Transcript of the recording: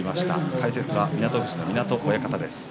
解説は湊富士の湊親方です。